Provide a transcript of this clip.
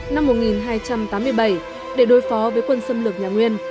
năm một nghìn hai trăm tám mươi bảy để đối phó với quân xâm lược nhà nguyên